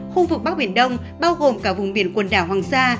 khu vực bắc biển đông bao gồm cả vùng biển quần đảo hoàng sa